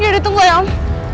iya ditunggu ya om